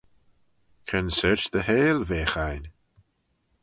Cre'n sorçh dy heihll veagh ain?